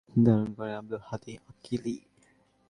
তিনি ইসলাম ধর্মে দীক্ষিত হয়ে নাম ধারণ করেন আব্দুল হাদি আকিলি।